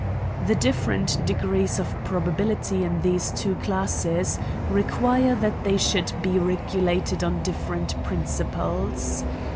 The different degrees of probability in these two classes, require that they should be re gulated on different principles.